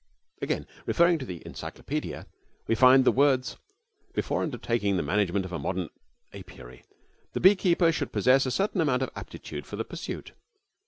Again referring to the 'Encyclopaedia,' we find the words: 'Before undertaking the management of a modern apiary, the beekeeper should possess a certain amount of aptitude for the pursuit.'